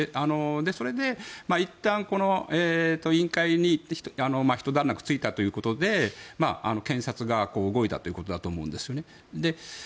それで、いったんこの委員会にひと段落ついたということで検察側が動いたということだと思うんですね。